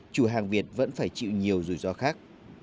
chủ hàng việt vẫn phải chịu nhiều rủi ro khác